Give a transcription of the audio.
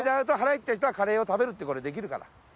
減ってる人はカレーを食べるってこれできるから。